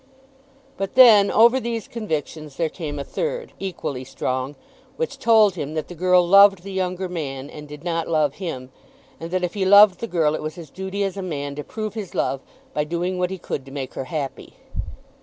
But then over these convictions there came a third, equally strong, which told him that the girl loved the younger man and did not love him, and that if he loved the girl it was his duty as a man to prove his love by doing what he could to make her happy.